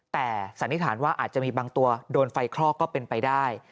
แต่สันนิษฐานว่าอาจจะมีบางตัวโดนไฟคลอกก็เป็นไปได้